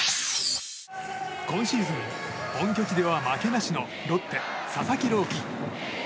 今シーズン本拠地では負けなしのロッテ、佐々木朗希。